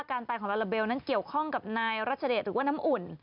การตายของลาลาเบลนั้นเกี่ยวข้องกับนายรัชเดชหรือว่าน้ำอุ่น